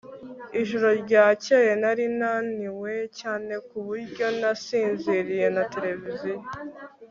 ijoro ryakeye, nari naniwe cyane ku buryo nasinziriye na televiziyo